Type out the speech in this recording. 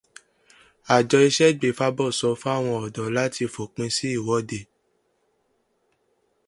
Àjọ ìṣègbèfábọ sọ fáwọn ọ̀dọ́ láti fòpin sí ìwọ́de